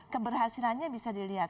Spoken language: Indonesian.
keberhasilannya bisa dilihat